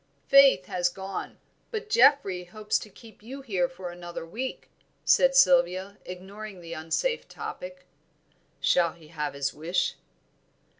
"Faith has gone, but Geoffrey hopes to keep you for another week," said Sylvia, ignoring the unsafe topic. "Shall he have his wish?"